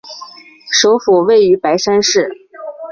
首府位于白山市。